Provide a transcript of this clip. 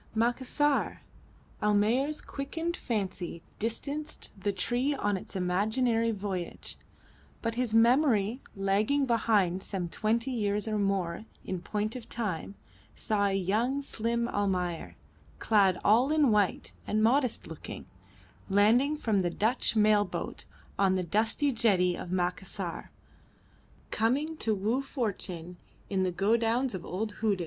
Macassar! Almayer's quickened fancy distanced the tree on its imaginary voyage, but his memory lagging behind some twenty years or more in point of time saw a young and slim Almayer, clad all in white and modest looking, landing from the Dutch mail boat on the dusty jetty of Macassar, coming to woo fortune in the godowns of old Hudig.